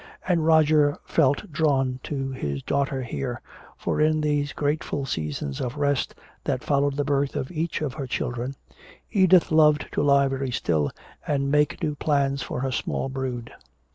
And Roger felt drawn to his daughter here, for in these grateful seasons of rest that followed the birth of each of her children, Edith loved to lie very still and make new plans for her small brood.